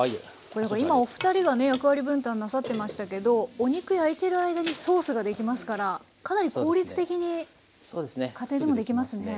これ今お二人がね役割分担なさってましたけどお肉焼いてる間にソースができますからかなり効率的に家庭でもできますね。